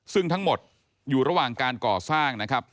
ซึ่งทั้งหมดอยู่ระหว่างการก่อสร้างนะครับ